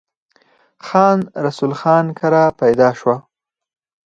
خان رسول خان کره پيدا شو ۔